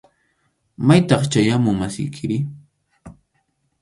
¿Maytaq chay amu masiykiri?